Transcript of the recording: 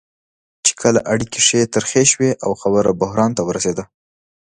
چې کله اړیکې ښې ترخې شوې او خبره بحران ته ورسېده.